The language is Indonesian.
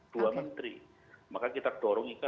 dua menteri maka kita dorong